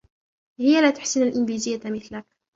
هي لا تحسن الإنجليزية مثلك.